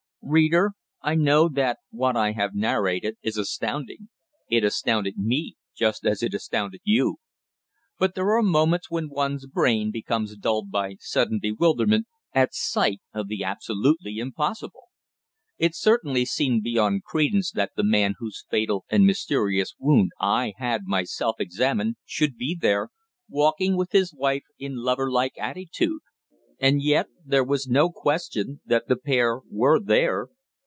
Reader, I know that what I have narrated is astounding. It astounded me just as it astounded you. There are moments when one's brain becomes dulled by sudden bewilderment at sight of the absolutely impossible. It certainly seemed beyond credence that the man whose fatal and mysterious wound I had myself examined should be there, walking with his wife in lover like attitude. And yet there was no question that the pair were there.